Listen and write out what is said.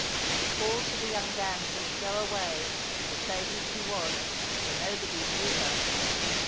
They called to the young damsel to go away, or say who she was, for nobody knew her.